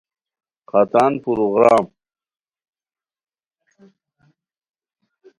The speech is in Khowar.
ختان پورغورام